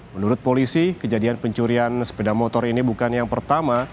menurut polisi kejadian pencurian sepeda motor ini bukan yang pertama